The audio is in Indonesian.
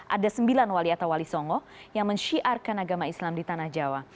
ada sembilan wali atau wali songo yang mensyiarkan agama islam di tanah jawa